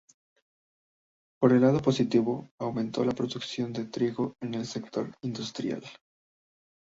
Por el lado positivo, aumentó la producción de trigo y en el sector industrial.